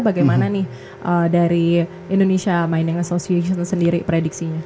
bagaimana nih dari indonesia mining association sendiri prediksinya